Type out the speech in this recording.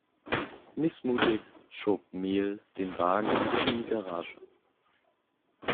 Missmutig schob Mel den Wagen wieder in die Garage.